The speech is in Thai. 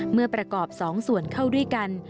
เมื่อประกอบ๒ส่วนเข้าด้วยกัน